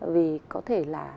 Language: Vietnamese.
vì có thể là